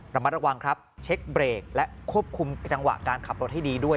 ระมัดระวังครับเช็คเบรกและควบคุมจังหวะการขับรถให้ดีด้วย